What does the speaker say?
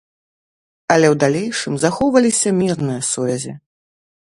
Але ў далейшым захоўваліся мірныя сувязі.